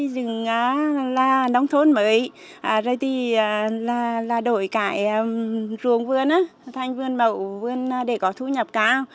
nhưng từ khi có chủ trướng xây dựng nông thôn mới rồi thì đổi cải ruồng vườn thành vườn bẩu vườn để có thu nhập cao